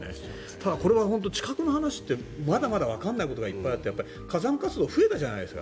ただ、これは地殻の話ってまだまだわからないことがたくさんあって火山活動増えたじゃないですか。